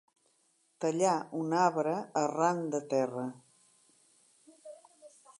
Tallar un arbre arran de terra.